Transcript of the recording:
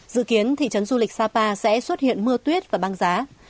dự kiến thị trấn du lịch sapa sẽ xuất hiện mưa tuyết và băng giá